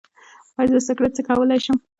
ایا زه سګرټ څکولی شم؟